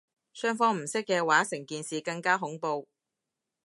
雙方唔識嘅話成件事更加恐怖